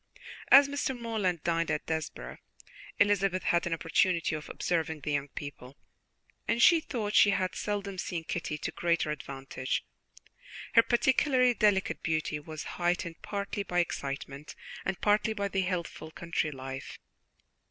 As Mr. Morland dined at Desborough, Elizabeth had an opportunity of observing the young people, and she thought she had seldom seen Kitty to greater advantage; her particularly delicate beauty was heightened partly by excitement and partly by the healthful country life.